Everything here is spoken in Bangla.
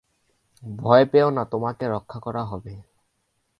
ভয় পেও না, তোমাকে রক্ষা করা হবে।